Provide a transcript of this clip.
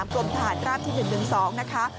กรมทหารราบที่๑๑๒นะคะ